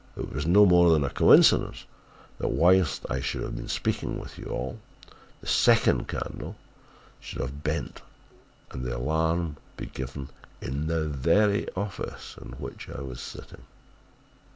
It was no more than a coincidence that whilst I should have been speaking with you all, the second candle should have bent and the alarm be given in the very office in which I was sitting.